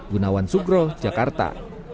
gunawan sugro jakarta